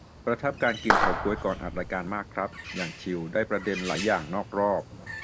ประทับการกินเฉาก๊วยก่อนอัดรายการมากครับ อย่างชิล ได้ประเด็นหลายอย่างนอกรอบ